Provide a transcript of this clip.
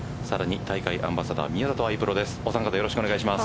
大会アンバサダー宮里藍プロです。